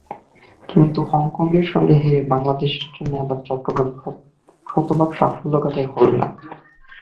কিন্তু হংকংয়ের সঙ্গে হেরে বাংলাদেশের জন্য এবার চট্টগ্রাম শতভাগ সাফল্যগাথাময় হলো না।